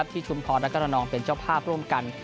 ชุมพรและกระนองเป็นเจ้าภาพร่วมกัน